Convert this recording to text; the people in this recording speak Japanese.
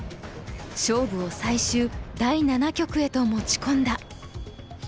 勝負を最終第七局へと持ち込んだ。